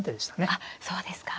あっそうですか。